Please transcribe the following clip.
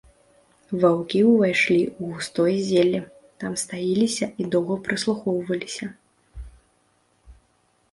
Ваўкі ўвайшлі ў густое зелле, там стаіліся і доўга прыслухоўваліся.